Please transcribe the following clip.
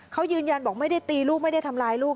เขายืนยันบอกไม่ได้ตีลูกไม่ได้ทำร้ายลูก